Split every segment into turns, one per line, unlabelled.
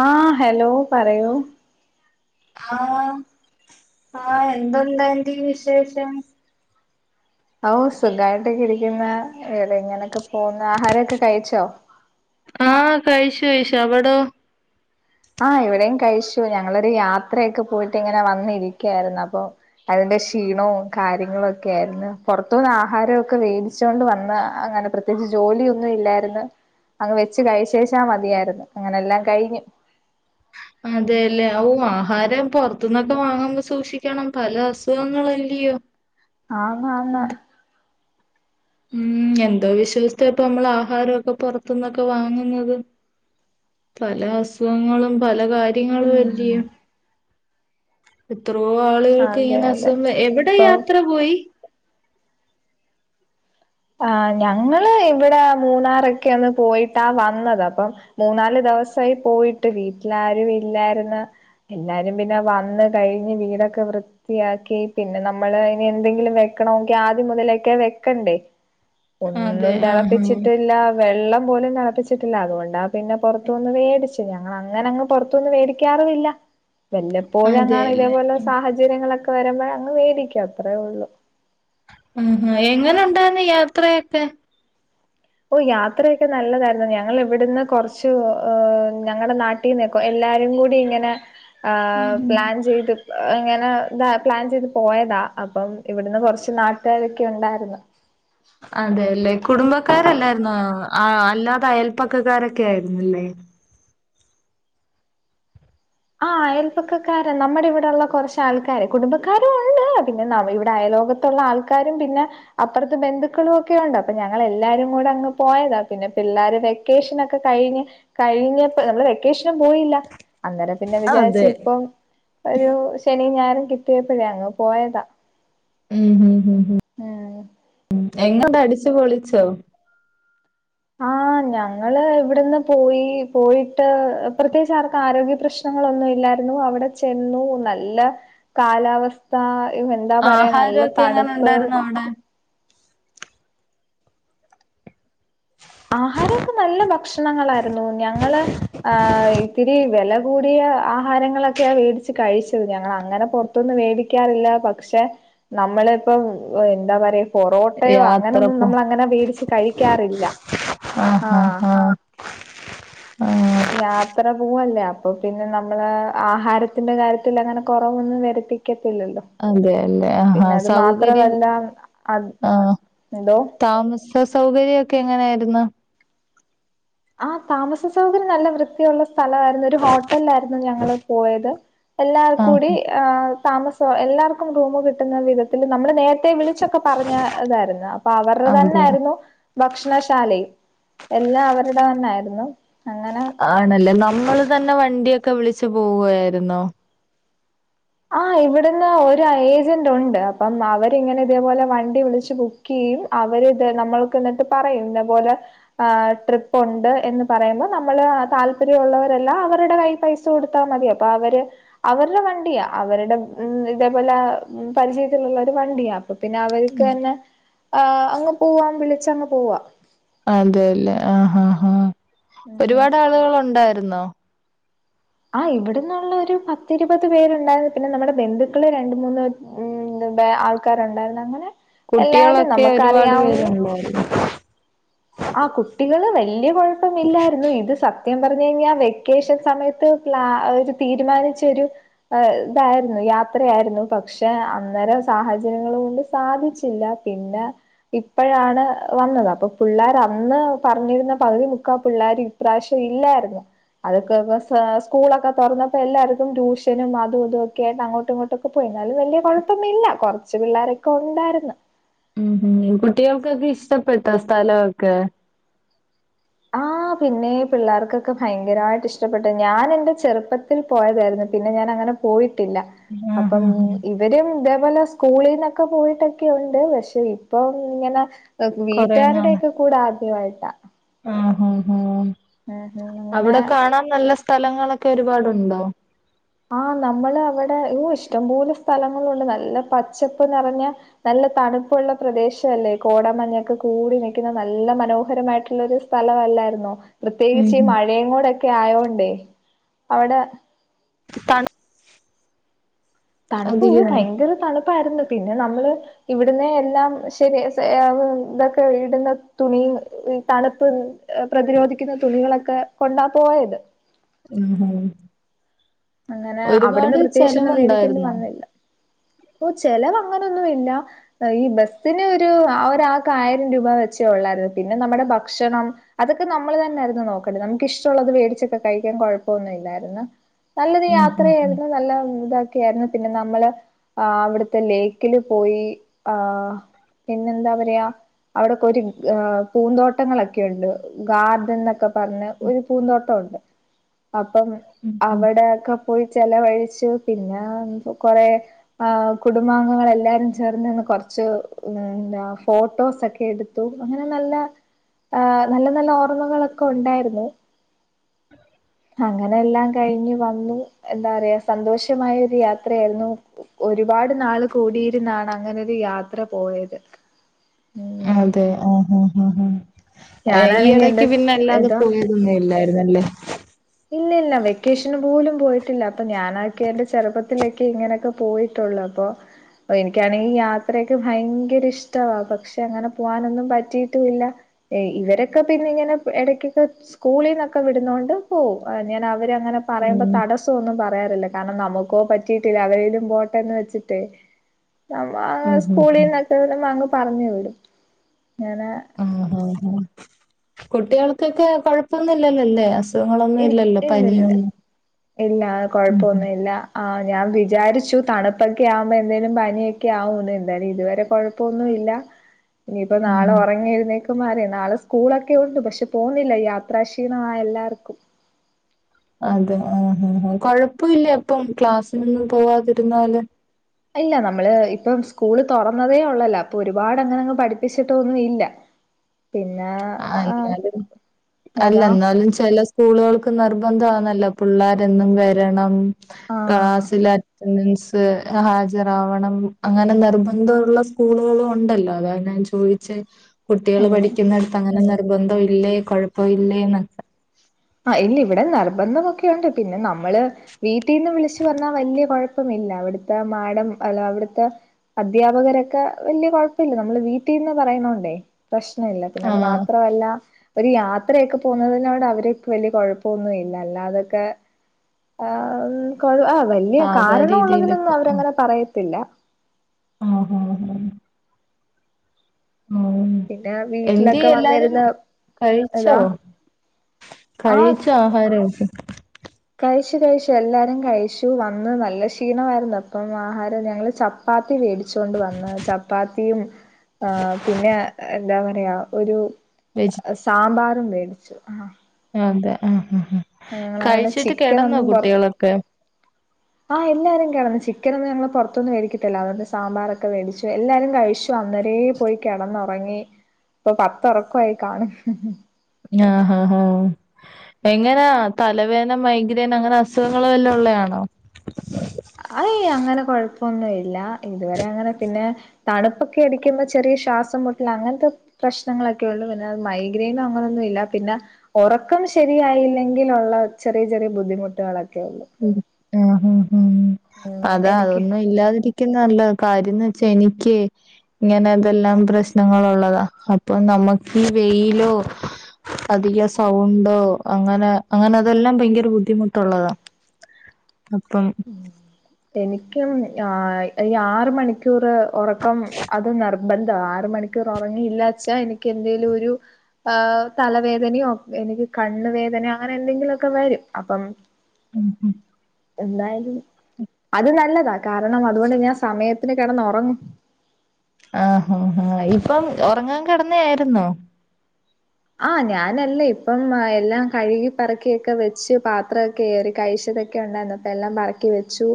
ആഹ് hello പറയൂ
ആഹ് ആഹ് എന്തുണ്ടാൻ്റി വിശേഷം
ഔ സുഖായിട്ടൊക്കെ ഇരിക്കുന്ന് ഇവടെ ഇങ്ങനൊക്കെ പോവുന്ന് ആഹാരവൊക്കെ കഴിച്ചോ
ആഹ് കഴിച്ചു കഴിച്ചു അവടോ
ആഹ് ഇവടെയും കഴിച്ചു ഞങ്ങളൊരു യാത്രയൊക്കെ പോയിട്ടിങ്ങനെ വന്നിരിക്ക്യായിരുന്നപ്പൊ അതിന്റെ ക്ഷീണവും കാര്യങ്ങളുവൊക്കെ ആയിരുന്ന് പൊറത്തൂന്നാഹാരവൊക്കെ വേടിച്ചോണ്ട് വന്ന് അങ്ങനെ പ്രത് ത്യേച്ച് ജോലിയൊന്നുവില്ലായിരുന്ന് അങ്ങ് വെച്ച് കഴിച്ചേച്ചാ മതിയാരുന്ന് അങ്ങനെല്ലാം കഴിഞ്ഞു
അതേല്ലേ ഔ ആഹാരം പൊറത്തുന്നൊക്കെ വാങ്ങുമ്പോ സൂക്ഷിക്കണം പല അസുഖങ്ങളല്ലിയോ
ആന്നാന്ന്
ഉം എന്തോ വിശ്വസിച്ചാ ഇപ്പ നമ്മളാഹാരവൊക്കെ പൊറത്തുന്നൊക്കെ വാങ്ങുന്നത് പല അസുഖങ്ങളും പല കാര്യങ്ങളുവല്ലിയോ എത്രോ ആളുകൾക്ക്
അതെ
ഇങ്ങനെ
അതെ
അസുഖം വെ എവിടെ
ഇപ്പം
യാത്ര പോയി
ആഹ് ഞങ്ങള് ഇവിടെ മൂന്നാറൊക്കെയൊന്ന് പോയിട്ടാ വന്നത് അപ്പം മൂന്നാല് ദെവസായി പോയിട്ട് വീട്ടിലാരും ഇല്ലാരുന്ന് എല്ലാരും പിന്നെ വന്ന് കഴിഞ്ഞ് വീടൊക്കെ വൃ ത്തിയാക്കി പിന്നെ നമ്മള് ഇനിയെന്തെങ്കിലും വെക്കണോങ്കി ആദ്യം മുതലെക്കെ വെക്കണ്ടേ
അതെ
ഒന്നും
ആഹ് ആഹ്
തെളപ്പിച്ചിട്ടുവില്ലാ വെള്ളം പോലും തെളപ്പിച്ചിട്ടില്ല അതുകൊണ്ടാ പിന്നെ പൊറത്തൂന്ന് വേടിച്ചത് ച്ച് ഞങ്ങളങ്ങനങ്ങ് പൊറത്തൂന്ന് വേടിക്കാറുവില്ല വെല്ലപ്പോഴെങ്ങാനും
അതെല്ലേ
ഇതേപോലെ സാഹച ചര്യങ്ങളക്ക വരുമ്പഴങ്ങ് വേടിക്കു അത്രേ ഒള്ളൂ
ഉം ഹാ എങ്ങനൊണ്ടാര്ന്ന് യാത്രയെക്കെ
ഓ യാത്രയൊക്കെ നല്ലതായിരുന്ന് ഞങ്ങളിവിടുന്ന് കൊറച്ചു ഒ ഓ ഞങ്ങള നാട്ട് [unintelligible] എല്ലാരും കൂടി ഇങ്ങനെ ആഹ്
ഉം
പ്ലാൻ ചെയ്ത് അങ്ങനെ ഇതാ പ്ലാൻ ചെയ്ത് പോയതാ അപ്പം ഇവിടുന്ന് കുറച്ച് നാട്ടുകാരൊക്കെ ഉണ്ടായിരുന്നു
അതെ അല്ലെ കുടുംബക്കാര് അല്ലായിരുന്നോ ആഹ് അല്ലാതെ അയൽപക്കക്കാരൊക്കെ ആയിരുന്നു അല്ലേ
ആഹ് അയൽപ്പക്കക്കാരാ നമ്മുടെ ഇവിടെ ഉള്ള കുറച്ച് ആൾക്കാര് കുടുംബക്കാരും ഉണ്ട് പിന്നെ നമയുടെ അയലോക ത്തുള്ള ആൾക്കാരും പിന്നെ അപ്പറത്തെ ബന്ധുക്കളും ഒക്കെയുണ്ട് അപ്പൊ ഞങ്ങള് എല്ലാരും കൂടെ അങ്ങ് പോയതാ പിന്നെ പിള്ളേര് വ്യ വെക്കേഷനൊക്കെ കഴിഞ്ഞ് കഴിഞ്ഞപ്പോ നമ്മള് വെക്കേഷനും പോയില്ല അന്നേര പിന്നെ വിചാരിച്ച്
അതെ
ഇപ്പം ഒരു ശനി ഞായറും കിട്ടിയപ്പഴേ അങ്ങ് പോയതാ
ഉം ഉം ഉം ഉം ഉം എങ്ങോട്ടാ അടിച്ചു പൊളിച്ചോ
ആഹ്
[inaudible]
ഞങ്ങള് ഇവിടുന്ന് പോയി പോയിട്ട് പ്രത്യേകിച്ച് അവർക്ക് ആരോഗ്യ പ്രശ്ന നങ്ങളൊന്നും ഇല്ലായിരുന്നു അവിടെ ചെന്നു നല്ല കാലാവ സ്ഥ എന്താ പറയാ നല്ല
ആഹാരൊക്കെ എങ്ങനെ
തണുപ്പ്
ഉണ്ടായിരുന്നു അവിടെ
ആഹാരം ഒക്കെ നല്ല ഭക്ഷണങ്ങൾ ആയിരുന്നു ഞങ്ങള് ആഹ് ഇത്തിരി വില കൂടിയ ആഹാരങ്ങൾ ഒക്കെയാ വേടിച്ച് കഴിച്ചത് ഞങ്ങൾ അങ്ങനെ പുറ ത്തൊന്നും മേടിക്കാറില്ല പക്ഷെ നമ്മളിപ്പം എന്താ പറയാ പൊറോട്ടയോ
യാത്ര
അങ്ങനൊന്നും
പോ
നമ്മൾ അങ്ങനെ വേടിച്ച് കഴിക്കാറില്ല
ആഹ് [unintelligible] ആഹ്
യാത്ര പോവല്ലേ അപ്പൊ പിന്നെ നമ്മള് ആഹാരത്തിന്റെ കാര്യത്തിൽ അങ്ങനെ കുറവൊന്നും വരുത്തി ക്കത്തില്ലല്ലോ
അതെ അല്ലേ ആഹ് സൗകര്യം
അത്
ആഹ്
എന്തോ
താമസ സ സൗകര്യം ഒക്കെ എങ്ങനെ ആയിരുന്നു
ആഹ് താമസ സൗകര്യം നല്ല വൃത്തിയുള്ള സ് സ്ഥലവായിരുന്നു ഒരു ഹോട്ടലില് ആയിരുന്നു ഞങ്ങള് പോയത് എല്ലാവർക്കും കൂടി
ആഹ്
ആഹ് താമസം എല്ലാവർക്കും റൂമ് കിട്ടുന്ന വിധത്തില് നമ്മള് നേര ത്തെ വിളിച്ചൊക്കെ പറഞ്ഞ ഇതായിരുന്നു അപ്പൊ അവരുടെ തന്നെ
അതെ
ആയിരുന്നു ഭക്ഷണ ശാലയും എല്ലാം അവരുടെ തന്നായിരുന്നു അങ്ങനെ
ആണല്ലേ നമ്മള് തന്നെ വണ്ടി ഒക്കെ വിളിച്ച് പോവു ആയിരുന്നോ
ആഹ് ഇവിടുന്ന് ഒരു ഏജന്റ് ഉണ്ട് അപ്പം അവരിങ്ങനെ ഇതേ പോലെ വണ്ടി വിളിച്ച് ക്കേയും അവര് ഇത് നമ്മൾക്ക് എന്നിട്ട് പറയും ഇന്ന പോലെ ആഹ് ട്രിപ്പ് ഉണ്ട് എന്ന് പറയുമ്പം നമ്മള് താല്പര്യം ഉള്ളവരെല്ലാം അവരുടെ കൈയിൽ പൈസ സ കൊടുത്താൽ മതി അപ്പൊ അവര് അവരുടെ വണ്ടിയാ അവരുടെ ഉ ഇതേപോലെ പരിചയത്തിലുള്ള ഒരു വണ്ടി യാ അപ്പൊ പിന്നെ അവർക്ക് തന്നെ ആഹ് അങ്ങ് പോവാം വിളിച്ചങ്ങ് പോവാ
അതെ അല്ലേ ആഹ് ആഹ് ആഹ്
ഉം ഉം
ഒരുപാട് ആളുകൾ ഉണ്ടായിരുന്നോ
ആഹ് ഇവിടന്നുള്ള ഒരു പത്തിരുപത് പേരുണ്ടായിരുന്നു പിന്നെ നമ്മുടെ ബന്ധുക്കള് രണ്ട് മൂന്ന് ഉം ഉണ്ട് ബേ ആൾക്കാര് ഉണ്ടായിരുന്നു അങ്ങനെ എല്ലാരും
കുട്ടികളൊക്കെ ഒരുപാട് പേരെ
നമുക്കറിയാവുന്ന
കൊള്ളോ [inaudible]
ആഹ് കുട്ടികള് വലിയ കുഴപ്പം ഇില്ലായിരുന്നു ഇത് സ സത്യം പറഞ്ഞു കഴിഞ്ഞാൽ വെക്കേഷൻ സമയത്ത് [unintelligible] അവര് തീരുമാനിച്ച ഒരു അതെ ഇതായിരുന്നു യാത്രയായിരുന്നു പക്ഷെ അന്നേരം സാഹചര്യങ്ങൾ കൊണ്ട് സാധിച്ചില്ല പിന്നെ ഇപ്പഴാണ് വന്നത് അപ്പൊ പുള്ളേർ അന്ന് പറഞ്ഞിരുന്ന പകുതി മുക്കാ പിള്ളേരും ഇപ്രാവശ്യം ഇല്ലായിരുന്നു അതൊക്കെ ഒരു പക്ഷെ സ്കൂളൊക്കെ തുറന്നപ്പോ എല്ലാവർക്കും ട്യൂഷനും അതും ഇതും ഒക്കെ ആയിട്ട് അങ്ങോട്ടും ഇങ്ങോട്ടൊ അപ്പോ എന്നാലും വലിയ കുഴപ്പൊന്നു ഇല്ല കുറച്ച് പിള്ളേരൊക്കെ ഉണ്ടായിരുന്നു
ഉം കുട്ടികൾക്കൊക്കെ ഇഷ്ടപ്പെട്ട ആ സ്ഥല ഒക്കെ
ആഹ് പിന്നെ പിള്ളേർക്കൊക്കെ ഭയങ്കരമായിട്ട് ഇഷ്ടപ്പെട്ടു ഞാൻ എന്റെ ചെറുപ്പത്തിൽ പോയതായിരുന്നു പിന്നെ ഞാൻ അങ്ങനെ പോയിട്ടില്ല
ആഹ്
അപ്പം
ആഹ് ആഹ്
ഇവരും ഇതേപോലെ സ്കൂളിൽന്നൊക്കെ പോയിട്ടൊക്കെയുണ്ട് പക്ഷെ ഇപ്പം ഇങ്ങനെ ന
കൊറേ നാള്
വീട്ടുകാരുടെയൊക്കെ കൂടെ ആദ്യമായിട്ടാ
ആഹ് ആഹ ഹാ
ഉം ഉം അങ്ങനെ
അവിടെ കാണാൻ നല്ല സ്ഥലങ്ങളൊക്കെ ഒരുപാടുണ്ടോ
ആഹ് നമ്മള് അവിടെ ഓ ഇഷ്ടംപോലെ സ്ഥലങ്ങളുണ്ട് നല്ല പച്ചപ്പ് നിറഞ്ഞ നല്ല തണുപ്പുള്ള പ്രദേശല്ലേ കോടമഞ്ഞൊക്കെ കൂടി നിൽക്കുന്ന നല്ല മനോഹരമായിട്ടുള്ളരു സ്ഥലമല്ലായിരുന്നോ
ഉം
പ്രത്യേകിച്ച് ഈ
ഉം
മഴയും കൂടെക്കെ ആയോണ്ടേയ് അവിടെ
തണ്
തണുപ്പ ഓ ഭയങ്കര തണുപ്പായിരുന്നു പിന്നെ നമ്മള് ഇവിടുന്നെ എല്ലാം ശരി ഇതൊക്കെ ഇടുന്ന തുണിയും തണുപ്പ് പ്രതിരോധിക്കുന്ന തുളികളൊക്കെ കൊണ്ടാ പോയത്
ഉം ഹും
അങ്ങനെ അവിടുന്ന് പ്രത്യേകിച്ചൊന്നും മേടിക്കേണ്ടി
ചെലവുണ്ടായിരുന്നോ
വന്നില്ല ഓ ചെലവങ്ങനൊന്നുമില്ല ഈ ബസിന് ഒരു ഒരാൾക്ക് ആയിരം രൂപ വെച്ചേ ഒള്ളായിരുന്നു പിന്നെ നമ്മുടെ ഭക്ഷണം അതൊക്കെ നമ്മള് തന്നായിരുന്നു നോക്കേണ്ടത് നമുക്ക് ഇഷ്ടമുള്ളത് വേടിച്ചൊക്കെ കഴിക്കാൻ കുഴപ്പൊന്ന ഇല്ലായിരുന്നു നല്ലൊരു
ഉം ഉം
യാത്രയായിരുന്നു നല്ല ന്താ ക്കെ യായിരുന്നു പിന്നെ നമ്മള് ആഹ് അവിടുത്തെ ലേക്കില് പോയി ആഹ് പിന്നെന്താ പറയാ അവിടൊക്കെ ഒരു പൂന്തോട്ടങ്ങളൊക്കെ ഉണ്ട് ഗാർഡൻ എന്നൊക്കെ പറഞ ഒരു പൂന്തോട്ടണ്ട് അപ്പം
ഉം ഉം
അവിടെ ഒക്കെ പോയി ചിലവഴിച്ചു പിന്നെ കൊറേ ആഹ് കുടുംബാംഗങ്ങളെല്ലാരും ചേർന്ന് നിന്ന് കുറച്ച് എന്താ ഫോട്ടോസൊക്കെ എടുത്തു അങ്ങനെ നല്ല
[inaudible]
ആഹ് നല്ല നല്ല ഓർമ്മകളൊക്കെ ഉണ്ടായിരുന്നു
[unintelligible]
അങ്ങനെ എല്ലാം കഴിഞ്ഞ് വന്നു എന്താറയാ സന്തോഷമായ ഒരു യാത്രയായിരുന്നു ഒരുപാട് നാള് കൂടിയിരുന്നാണ് അങ്ങനെരു യാത്ര പോയത് ഉം
അതെ ആഹ് ആഹ് ആഹ് ഈ
ഞാനാണെങ്കി
ഇടയ്ക്ക്
എന്റെ
പിന്നെ അല്ലാതെ
ഏതാ
പോയി ന്ന ഇല്ലായിരുന്നല്ലേ
ഇല്ലില്ല വെക്കേഷന് പോലും പോയിട്ടില്ല അപ്പൊ ഞാനക്കിയ എന്റെ ചെറുപ്പത്തിലൊക്കെ ഇങ്ങനെയൊക്കെ പോയിട്ടുള്ളൂ അപ്പോ അപ്പൊ എനിക്കാണെങ്കിൽ യാത്രയൊക്കെ ഭയങ്കര ഇഷ്ടവാ പക്ഷെ അങ്ങനെ പോവാനൊന്നും പറ്റിയിട്ടുല്ല ഏയ് ഇവരൊക്കെ പിന്നെ ഇങ്ങനെ ഇടക്കൊക്കെ സ്കൂളിന്നൊക്കെ വിടുന്നോണ്ട് പോവും ഞാൻ അവരങ്ങനെ പറയുമ്പോ
ഉം
തടസ്സൊ സ്സൊന്നും പറയാറില്ല കാരണം നമുക്കോ പറ്റിയിട്ടില്ല അവരെലും പോട്ടെ എന്ന് വെച്ചിട്ട്
ഉം
ആ
ഉം ഉം
സ്കൂളിൽന്നൊക്കെ വിടുമ്പോ അങ്ങ് പറഞ്ഞു വിടും അങ്ങനെ
ഉം ഉം ഉം കുട്ടികൾക്കൊക്കെ കൊഴപ്പൊന്നില്ലല്ലോല്ലേ അസു
ഇ ഇല്ലില്ല ഇല്ലാ
ഉം
കൊഴപ്പൊന്നും ഇല്ല ആ ഞാൻ വിചാരിച്ചു തണുപ്പൊക്കെ ആകുമ്പോൾ എന്തേങ്കിലും പനിയൊക്കെ ആകുന്ന് എന്തായാലും ഇതുവരെ കുഴപ്പമൊന്നുമില്ല
[inaudible]
ഇനിയിപ്പ
ഉം
നാളെ ഉറങ്ങിഎഴുന്നേൽക്കു ഇപ്പൊ വരെ നാളെ സ്കൂളൊക്കെ ഒണ്ട് പക്ഷെ പോകുന്നില്ല യാത്രാ ക്ഷീണവാ എല്ലാവർക്കും
അതെ ആഹ് ആഹ് കൊഴപ്പവില്ലേ ഇപ്പം ക്ലാസ്സിനൊന്നും പോവാതിരുന്നാല്
ഇല്ല നമ്മള് ഇപ്പം സ്കൂള് തൊറന്നതേ ഉള്ളല്ലോ അപ്പൊ ഒരുപാട് അങ്ങനെങ്ങ് പഠിപ്പിച്ചിട്ടൊന്നും ഇല്ല
[inaudible]
പിന്നെ
ആ എന്നാലും അല്ല
ഏതാ
എന്നാലും ചെല സ്- സ്കൂളുകൾക്ക് നിർബന്ധണല്ലോ പിള്ളാരെന്നും വരണം
ആ
ക്ലാസിൽ അറ്റൻഡൻസ്- അത് ഹാജരാവണം അങ്ങനെ നിർബന്ധമുള്ള സ്കൂളുകളും ഒണ്ടല്ലോ അതാ ഞാൻ ചോദിച്ചെ - കുട്ടികള്
ഉം
പഠിക്കുന്ന അടുത്ത് അങ്ങനെ നിർബന്ധം ഇല്ലേ കുഴപ്പമില്ലേന്ന്
ആഹ് ഇല്ല ഇവിടെ നിർബന്ധമൊക്കെയുണ്ട് പിന്നെ നമ്മള്- വീട്ടിന്ന് വിളിച്ച് പറഞ്ഞാൽ വലിയ കൊഴപ്പമില്ല അവിടുത്തെ മാടം അല്ല അവിടുത്തെ- അദ്ധ്യാപകരൊക്കെ വല്യ കൊഴപ്പില്ല നമ്മള് വീട്ടിന്ന് പറയുണോണ്ടേ പ്രശ്നം ഇല്ല പിന്നെ അത്
ആഹ്
മാത്രമല്ല ഒരു യാത്രയൊക്കെ പോകുന്നതിനോട്‌ അവര് - വലിയ കൊഴപ്പൊന്നും ഇല്ല അല്ലാതൊക്കെ [unintelligible] എന്തേലും
സാധാ
കാരണം ഉള്ളതിനൊന്നും
രീതിയിലൊക്കെ ആഹ്
അവരങ്ങനെ പറയത്തില്ല
ആഹ് ആഹ് ആഹ് ആഹ്
പിന്നെ
എന്തിയെ
വീട്ടിലൊക്കെ
എല്ലാവരും
വന്നിരുന്ന്
കഴിച്ചോ
ഇതാ ആഹ്
കഴിച്ചോ ആഹാരം കഴിച്ചു
കഴിച്ചു കഴിച്ചു എല്ലാരും കഴിച്ചു വന്ന് നല്ല ക്ഷീണമായിരുന്നു അപ്പം ആഹാരം ഞങ്ങള് ചപ്പാ ചപ്പാത്തി വേടിച്ചോണ്ട് വന്ന് ചപ്പാത്തിയും ആഹ് പിന്നെ എന്താ പറയാ ഒരു-
വെജി -
സാമ്പാറും മേടിച്ചു ആഹ്
അതെ ആഹ് ആഹ്
ഞങ്ങളങ്ങനെ
കഴിച്ചിട്ട് കെടന്നോ
ചിക്കനൊന്നും പൊറ
കുട്ടികളൊക്കെ
ആഹ് എല്ലാരും കെടന്ന് ചിക്കൻ ഒന്നും ഞങ്ങള് പൊറത്തൂന് മേടിക്കത്തില്ല അതൊകൊണ്ട് സാമ്പാറൊക്കെ മേടിച്ചു എല്ലാരും കഴിച്ചു അന്നേരെ പോയി കെടന്ന് ഒറങ്ങി ഇപ്പൊ പത്ത് ഒറക്കമായി കാണും
ആഹ് ആഹ് ആഹ് എങ്ങനാ തലവേദന മൈഗ്രേൻ അങ്ങനെ അസുഖങ്ങളും വല്ലാം ഉള്ളതയാണോ
അയ് അങ്ങനെ കൊഴപ്പൊന്നും ഇല്ല ഇതുവരെ അങ്ങനെ പിന്നെ- തണുപ്പൊക്കെ അടിക്കുമ്പം ചെറിയ ശ്വാസം മുട്ടൽ അങ്ങനത്തെ പ്രശ്നങ്ങളൊക്കെ ഉള്ളു പിന്നെ മൈഗ്രെയിനും അങ്ങനെയൊന്നുമില്ല പിന്നെ ഒറക്കം ശരിയായില്ലെങ്കി ഉള്ള ചെറിയ ചെറിയ ബുദ്ധിമുട്ടുകളൊക്കെ ഉള്ളു
ആഹ്
ഉം
ആഹ് അതാ
എനിക്ക്
അതൊന്നും ഇല്ലാതിരിക്ക- നല്ല കാര്യം എന്ന് വെച്ചാ എനിക്ക്- ഇങ്ങനെ എന്തെല്ലാം പ്രശ്നങ്ങളുള്ളതാ അപ്പൊ നമുക്ക് ഈ വെയിലോ അധികം സൗണ്ടോ അങ്ങനെ അങ്ങനെ ഇതെല്ലാം ഭയങ്കര ബുദ്ധിമുട്ടുള്ളതാ അപ്പം
എനിക്കും ആഹ് ഈ ആറ് മണിക്കൂർ ഒറക്കം അത് നിർബന്ധംവാ ആറ് മണിക്കൂർ- ഉറങ്ങിയില്ലാവെച്ചാ എനിക്ക് എന്തേലും ഒരു- ആഹ് തലവേദനയോ എനിക്ക് കണ്ണ് വേദനയോ അങ്ങനെ എന്തെങ്കിലുംക്കെ വരും അപ്പം-
ഉം
എന്തായാലും- അത് നല്ലതാ കാരണം അതുകൊണ്ട് ഞാൻ സമയത്തിന് കിടന്നുറങ്ങും
ആഹ് ആഹ് ആഹ് ഇപ്പം ഉറങ്ങാൻ കിടന്ന ആായിരുന്നോ
ആഹ് ഞാനല്ലേ ഇപ്പം എല്ലാം കഴുകി പറക്കിയൊക്കെ വെച്ച് പാത്ര കേറി കഴിച്ചതൊക്കെ ഉണ്ടായിന്നപ്പോ എല്ലാം പറക്കി വെച്ചു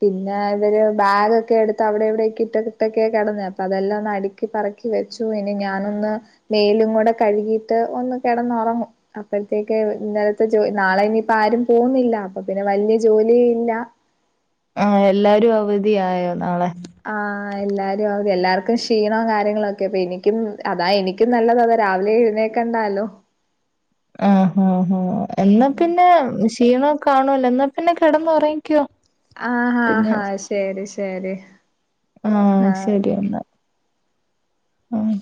പിന്നെ ഇവര് ബാഗ് ഒക്കെ എടുത്ത് അവിടെ എവിടെക്കെ ഇട്ടക്കിട്ടൊക്കെ കിടന്നു അപ്പൊ അതെല്ലാം ഒന്ന് അടിക്കി പറക്കി വെച്ചു ഇനി ഞാനൊന്ന് മേലും കൂടെ കഴുകിട്ട് ഒന്ന് കിടന്നുറങ്ങും അപ്പഴത്തേക്ക ഇന്നലത്തെ ജോ നാളെ ഇനിയിപ്പ ആരും പോകുന്നില്ല അപ്പൊ പിന്നെ വലിയ ജോലിയ ഇല്ല
ആഹ് എല്ലാരും അവധിയായോ നാളെ
ആഹ് എല്ലാരും അവധി എല്ലാർക്കും ക്ഷീണവും കാര്യങ്ങളൊക്കെ അപ്പൊ എനിക്കും അതാ എനിക്ക് ക്കും നല്ലതതാ രാവിലെ എഴുന്നേക്കെണ്ടാലോ
ആഹ് ആഹ് ആഹ് എല്ലാം പിന്നെ ക്ഷീണംഒക്കെ കാണുവല്ലോ എന്നാ പിന്നെ കിടന്നു ഉറങ്ങിക്കോ
ആഹ് ആഹ് ആഹ് ശരി ശരി ആഹ്
ശരി
ഓക്കെ
എന്നാ ആഹ്